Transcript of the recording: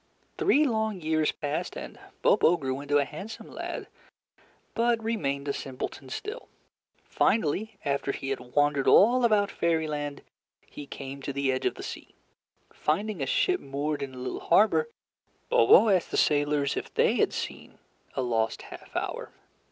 Three long years passed, and Bobo grew into a handsome lad, but remained a simpleton still. Finally, after he had wandered all about Fairyland, he came to the edge of the sea. Finding a ship moored in a little harbor, Bobo asked the sailors if they had seen a lost half hour.